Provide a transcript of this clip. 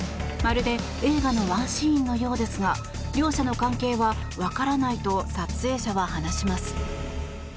まるで映画のワンシーンのようですが両者の関係はわからないと撮影者は話します。